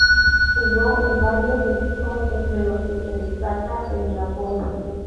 Jugó en varios equipos, entre los que se destaca el Napoli.